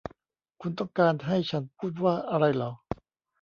คุณต้องการให้ฉันพูดว่าอะไรหรอ